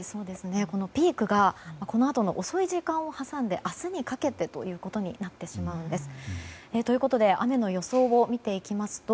ピークがこのあとの遅い時間を挟んで明日にかけてということになってしまうんです。ということで雨の予想を見ていきますと